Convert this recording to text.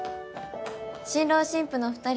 新郎新婦のお二人。